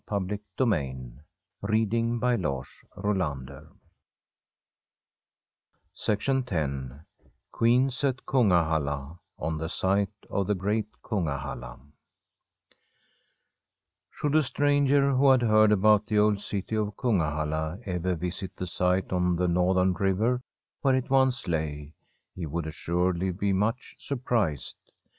From a Swedish Homestead ^^ens at Kungahalla Qjieens at Kungahalla On the Site of the Great Kungahalla SHOULD a stranger who had heard about the old city of Kungahalla ever visit the site on the northern river where it once lay, he would assuredly be much surprised.